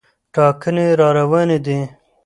ټاکنې راروانې دي.